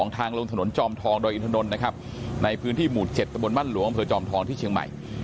ทางลงถนนจอมทองโดยอินทนนในพื้นที่หมู่๗ตระบวนมั่นหลวงผลจอมทองที่เชียงใหม่